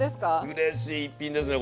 うれしい１品ですね